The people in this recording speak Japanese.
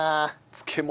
漬物？